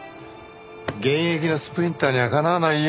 現役のスプリンターにはかなわないよ。